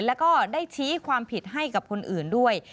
แล้วก็ได้ชี้ความผิดให้กับคนอื่นด้วย